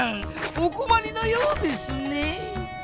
おこまりのようですねぇ。